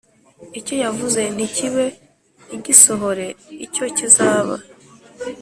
icyo yavuze ntikibe ntigisohore icyo kizaba